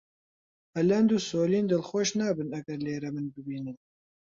ئەلەند و سۆلین دڵخۆش نابن ئەگەر لێرە من ببینن.